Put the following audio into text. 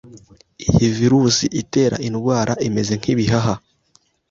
Iyi virus itera indwara imeze nk'ibihaha